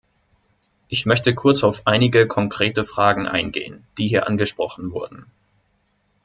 Ich möchte kurz auf einige konkrete Fragen eingehen, die hier angesprochen wurden.